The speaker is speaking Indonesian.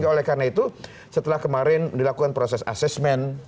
oleh karena itu setelah kemarin dilakukan proses asesmen